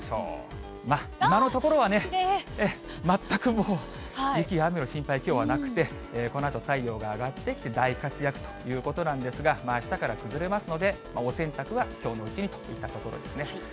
全く雪や雨の心配、きょうはなくて、このあと太陽が上がってきて、大活躍ということなんですが、あしたから崩れますので、お洗濯はきょうのうちにといったところですね。